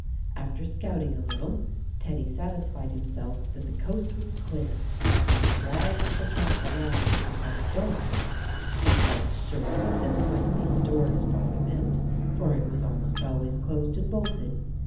After scouting a little, Teddy satisfied himself that the coast was clear, and dragged the trap around to the front door. He felt sure that this must be the door his father meant, for it was almost always closed and bolted.